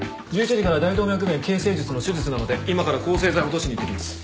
１１時から大動脈弁形成術の手術なので今から抗生剤落としにいってきます。